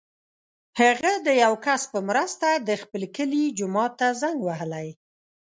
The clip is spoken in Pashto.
هغه د یو کس په مرسته د خپل کلي جومات ته زنګ وهلی.